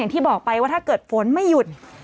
ที่บอกไปว่าถ้าเกิดฝนไม่หยุด